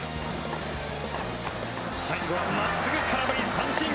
最後は真っすぐ空振り三振。